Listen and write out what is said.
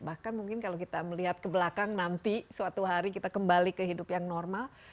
bahkan mungkin kalau kita melihat ke belakang nanti suatu hari kita kembali kehidupan normal